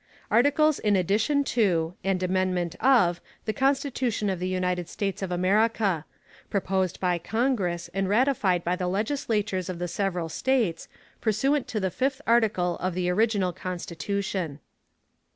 _ _Articles in Addition to, and Amendment of, the Constitution of the United States of America. Proposed by Congress, and ratified by the Legislatures of the several States, pursuant to the fifth article of the original Constitution.